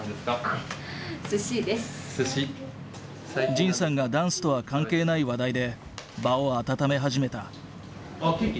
仁さんがダンスとは関係ない話題で場を温め始めた。